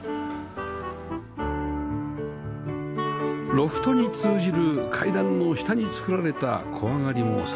ロフトに通じる階段の下に造られた小上がりも三角形